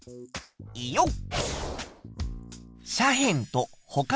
よっ！